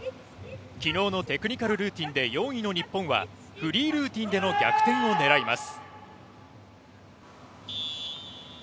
昨日のテクニカルルーティンで４位の日本はフリールーティンでの逆転を狙います。